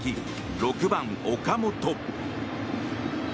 ６番、岡本。